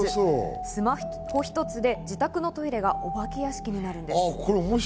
スマホ一つで自宅のトイレがお化け屋敷になるんです。